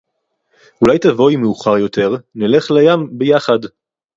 אולי תבואי מאוחר יותר, נלך לים ביחד